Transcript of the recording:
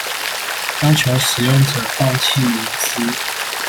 要求使用者放棄隱私